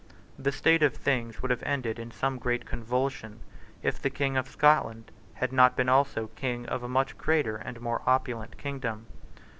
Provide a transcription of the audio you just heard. This state of things would have ended in some great convulsion, if the King of Scotland had not been also King of a much greater and more opulent kingdom.